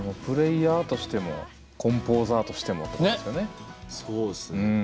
プレーヤーとしてもコンポーザーとしてもって感じですよね。